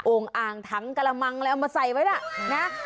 โอ้งอ่างถังกระมังเอามาใส่ไว้นะ